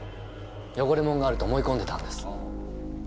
汚れ物があると思い込んでたんです。